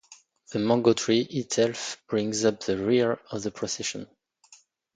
The mango tree itself brings up the rear of the procession.